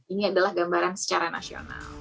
ini adalah gambaran secara nasional